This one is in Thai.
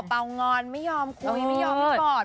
น้องป่าวป่าวงอนไม่ยอมคุยไม่ยอมให้ก่อน